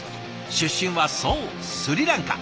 出身はそうスリランカ。